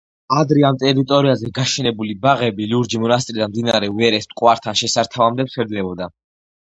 ადრე ამ ტერიტორიაზე გაშენებული ბაღები ლურჯი მონასტრიდან მდინარე ვერეს მტკვართან შესართავამდე ვრცელდებოდა.